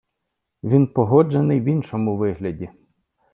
Він погоджений в іншому вигляді.